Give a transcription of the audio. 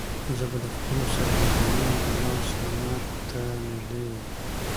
زه به د خپلو سرګردانیو له لاسه مرګ ته نږدې وم.